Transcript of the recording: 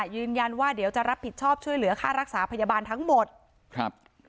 ยืนยันว่าเดี๋ยวจะรับผิดชอบช่วยเหลือค่ารักษาพยาบาลทั้งหมดครับ